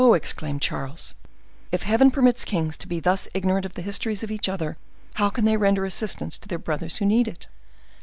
exclaimed Charles, "if Heaven permits kings to be thus ignorant of the histories of each other, how can they render assistance to their brothers who need it?"